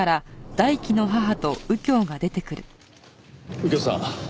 右京さん